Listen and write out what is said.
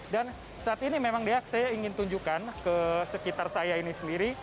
dan saat ini memang saya ingin tunjukkan ke sekitar saya ini sendiri